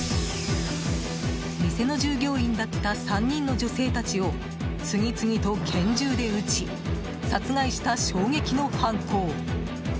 店の従業員だった３人の女性たちを次々と拳銃で撃ち、殺害した衝撃の犯行。